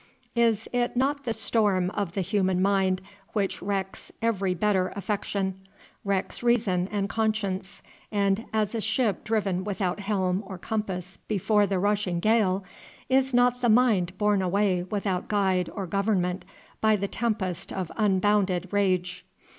Is it not the storm of the human mind which wrecks every better affection—wrecks reason and conscience, and, as a ship driven without helm or compass before the rushing gale, is not the mind borne away without guide or government by the tempest of unbounded rage?